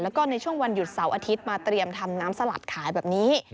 แล้วก็ในช่วงวันหยุดเสาร์อาทิตย์มาเตรียมทำน้ำสลัดขายแบบนี้